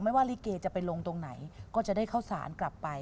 ว่าลิเกจะไปลงตรงไหนก็จะได้เข้าสารกลับไป